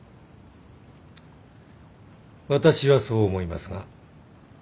私はそう思いますが。